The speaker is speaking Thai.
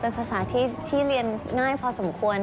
เป็นภาษาที่เรียนง่ายพอสมควร